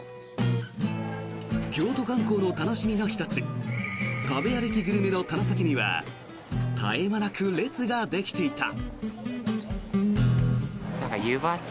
京都観光の楽しみの１つ食べ歩きグルメの先には絶え間なく列ができていた。